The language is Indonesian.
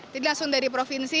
jadi langsung dari provinsi